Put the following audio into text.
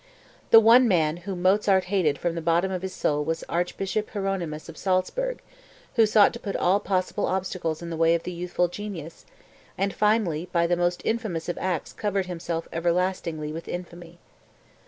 The one man whom Mozart hated from the bottom of his soul was Archbishop Hieronymus of Salzburg who sought to put all possible obstacles in the way of the youthful genius, and finally by the most infamous of acts covered himself everlastingly with infamy.